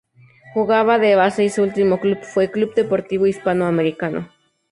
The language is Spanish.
Jugaba de base y su último club fue Club Deportivo Hispano Americano.